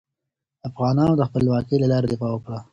افغانانو د خپلواکې لارې دفاع وکړه.